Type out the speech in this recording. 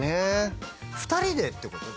２人でってこと？